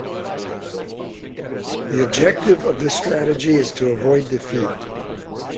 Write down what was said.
The objective of this strategy is to avoid defeat.